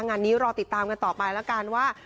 งานนี้รอติดตามกันต่อไปแล้วกันว่า